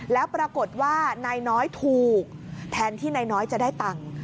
แล้วปรากฏว่านายน้อยถูกแทนที่นายน้อยจะได้ตังค์